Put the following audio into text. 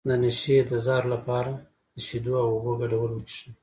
د نشې د زهرو لپاره د شیدو او اوبو ګډول وڅښئ